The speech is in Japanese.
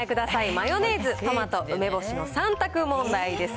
マヨネーズ、トマト、梅干しの３択問題です。